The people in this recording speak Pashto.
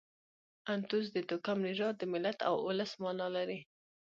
انتوس د توکم، نژاد، د ملت او اولس مانا لري.